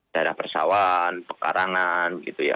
daerah persawan pekarangan gitu ya